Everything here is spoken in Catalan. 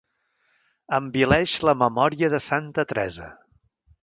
Envileix la memòria de Santa Teresa.